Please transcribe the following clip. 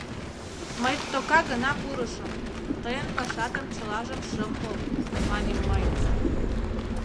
— Мый тока гына пурышым, тыйын пашатым чылажым шым кол, — маньым мый.